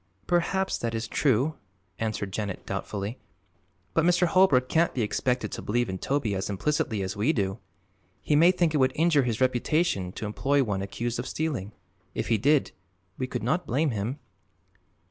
"Perhaps that is true," answered Janet doubtfully; "but Mr. Holbrook can't be expected to believe in Toby as implicitly as we do. He may think it would injure his reputation to employ one accused of stealing. If he did, we could not blame him."